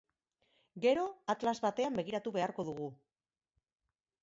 Gero atlas batean begiratu beharko dugu.